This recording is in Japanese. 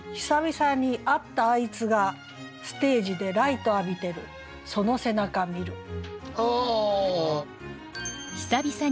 「久々にあったあいつがステージでライト浴びてるその背中見る」。